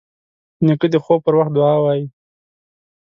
نیکه د خوب پر وخت دعا وايي.